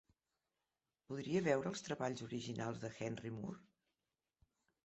Podria veure els treballs originals de Henry Moore?